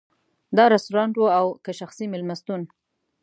دا رستورانت و او که شخصي مېلمستون.